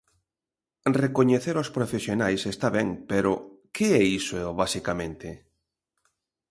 Recoñecer os profesionais está ben, pero ¿que é iso basicamente?